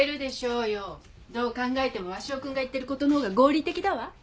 どう考えても鷲尾君が言ってることの方が合理的だわ。